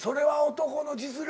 男の実力？